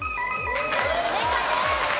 正解です。